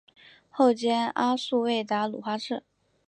后兼阿速卫达鲁花赤。